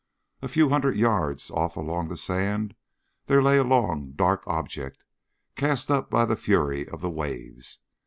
A few hundred yards off along the sand there lay a long dark object, cast up by the fury of the waves.